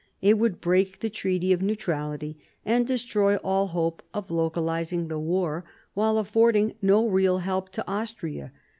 It would break the treaty of neutrality and destroy all hope of localising the war, while affording no real help to Austria.